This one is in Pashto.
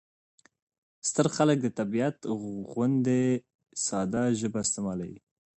ستر خلک د طبیعت غوندې ساده ژبه استعمالوي.